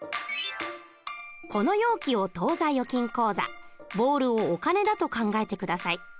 この容器を当座預金口座ボールをお金だと考えて下さい。